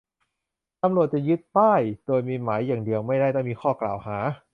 ตำรวจจะยึดป้าย โดยมีหมายอย่างเดียวไม่ได้ ต้องมีข้อกล่าวหา